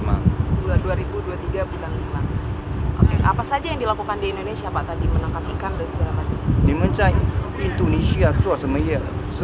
apa saja yang dilakukan di indonesia pak tadi menangkap ikan dan segala macam indonesia